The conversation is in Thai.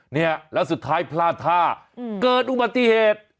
เนี่ยแล้วสุดท้ายพลาดท่าเกิดอุบัติเหตุ